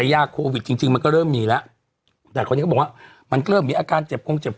แต่ยากโควิดจริงมันก็เริ่มมีแล้วแต่คนที่ก็บอกว่ามันก็เริ่มมีอาการเจ็บคงเจ็บคอ